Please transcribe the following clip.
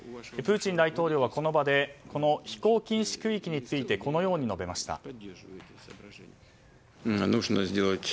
プーチン大統領はこの場で飛行禁止区域についてこのように述べました。